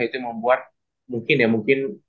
itu yang membuat mungkin ya mungkin